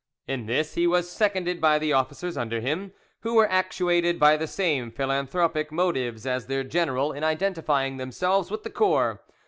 In this he was seconded by the officers under him, who were actuated by the same philanthropic motives as their general in identifying themselves with the corps.